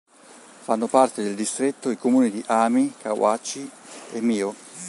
Fanno parte del distretto i comuni di Ami, Kawachi e Miho.